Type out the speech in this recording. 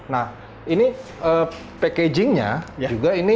nah ini packaging nya juga ini m tiga